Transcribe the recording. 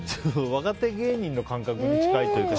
若手芸人の感覚に近いというか。